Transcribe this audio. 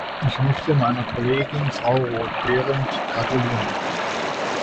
Ich möchte meiner Kollegin Frau Roth-Behrendt gratulieren.